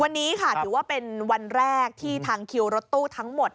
วันนี้ค่ะถือว่าเป็นวันแรกที่ทางคิวรถตู้ทั้งหมด